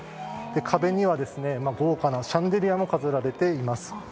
壁には豪華なシャンデリアも飾られています。